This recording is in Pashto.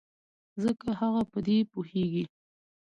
ځکه هغه په دې پوهېږي.